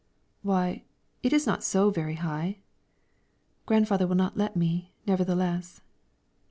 "Why, it is not so very high." "Grandfather will not let me, nevertheless."